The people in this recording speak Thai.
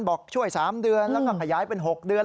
บอกช่วย๓เดือนแล้วก็ขยายเป็น๖เดือน